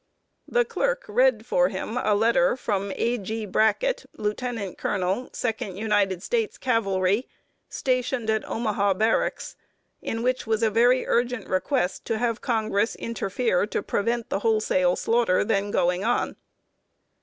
The Clerk read for him a letter from A. G. Brackett, lieutenant colonel, Second United States Cavalry, stationed at Omaha Barracks, in which was a very urgent request to have Congress interfere to prevent the wholesale slaughter then going on.